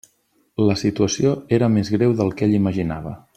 La situació era més greu del que ell imaginava.